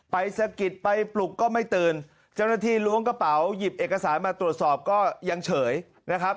สะกิดไปปลุกก็ไม่ตื่นเจ้าหน้าที่ล้วงกระเป๋าหยิบเอกสารมาตรวจสอบก็ยังเฉยนะครับ